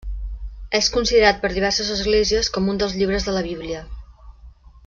És considerat per diverses esglésies com un dels llibres de la Bíblia.